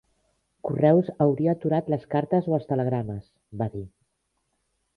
"Correus hauria aturat les cartes o els telegrames", va dir.